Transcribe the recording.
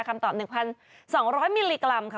คำตอบ๑๒๐๐มิลลิกรัมค่ะ